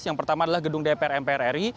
yang pertama adalah gedung dpr mprri